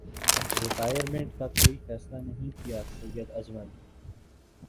retire minute کا کوئی فیصلہ نہیں کیاسعید اجمل